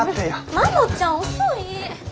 マモちゃん遅い！